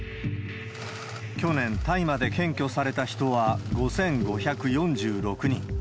去年、大麻で検挙された人は５５４６人。